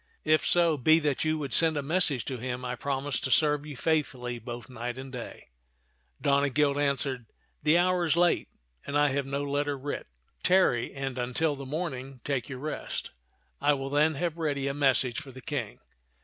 If so be that you would send a message to him, I promise to serve you faithfully both night and day." Donegild answered, " The hour is late, and I have no letter writ. Tarry, and until the morning take your rest. I will then have ready a message for the King."